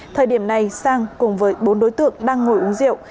thời điểm này sang cùng với bốn đối tượng đang ngồi uống rượu